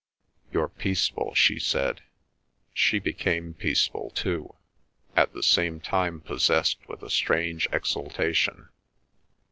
"You're peaceful," she said. She became peaceful too, at the same time possessed with a strange exultation.